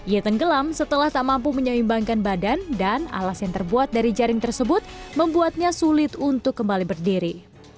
ia tenggelam setelah tak mampu menyeimbangkan badan dan alas yang terbuat dari jaring tersebut membuatnya sulit untuk kembali berdiri